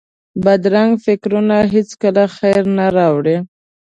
بدرنګه فکرونه هېڅکله خیر نه راولي